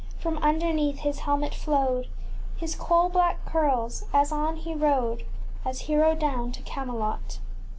From underneath his hel met flowed His coal black curls, as on he rode, As he rode down to Cam elot.